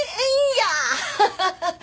ハハハッ！